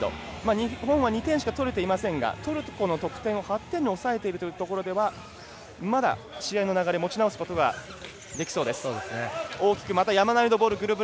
日本は２点しか取れていませんがトルコの得点を８点に抑えているというところではまだ試合の流れ持ち直すことができそうです。